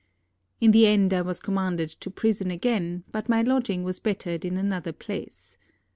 In the end I was commanded to prison again, but my lodging was bettered in another place.